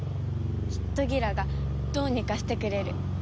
きっとギラがどうにかしてくれる。